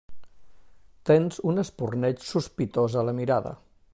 Tens un espurneig sospitós a la mirada.